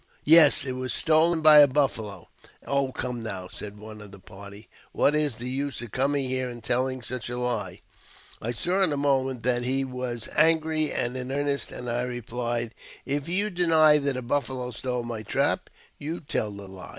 " Yes, it was stolen by a buffalo." ^" Oh, come, now," said one of the party, " what is the use of coming here and telling such a lie?" I saw in a moment that he was angry and m earnest, and I replied, " If you deny that a buffalo stole my trap, you tell the lie."